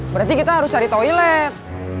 berarti kita harus cari toilet